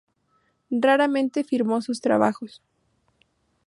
Raramente firmó sus trabajos.